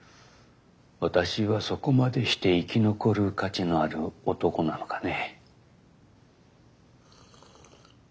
私はそこまでして生き残る価値のある男なのかね。